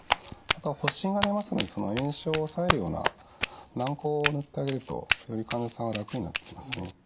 あとは発疹が出ますのでその炎症を抑えるような軟こうを塗ってあげるとより患者さんは楽になってきますね。